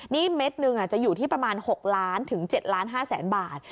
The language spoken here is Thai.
นี่เม็ดหนึ่งจะอยู่ที่ประมาณ๖ล้านถึง๗ล้าน๕แสนบาท